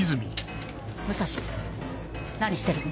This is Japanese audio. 武蔵何してるの？